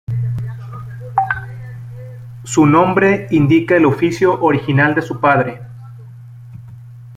Su sobrenombre indica el oficio original de su padre.